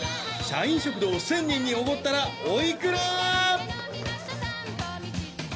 社員食堂１０００人におごったらおいくら？